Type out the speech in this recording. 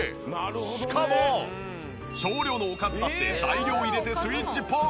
しかも少量のおかずだって材料を入れてスイッチポン！